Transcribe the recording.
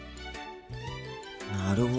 なるほど。